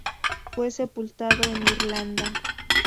Fue sepultado en Irlanda.